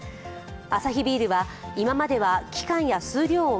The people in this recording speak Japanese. アサヒビールは、今までは期間や数量を